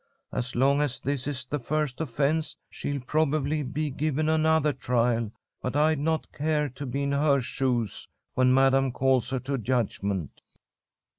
As long as this is the first offence, she'll probably be given another trial, but I'd not care to be in her shoes when Madam calls her to judgment."